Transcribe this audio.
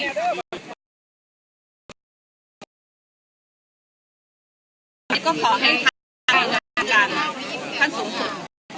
น้องแอมเป็นคนที่น่ารักไม่เคยไปล้าลานใคร